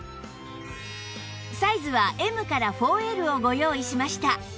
サイズは Ｍ から ４Ｌ をご用意しました